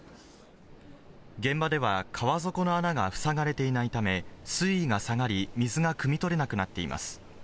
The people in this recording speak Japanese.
現場では、川底の穴が塞がれていないため、水位が下がり、水がくみ取れなくなっています。